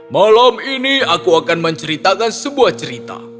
malam ini aku akan menceritakan sebuah cerita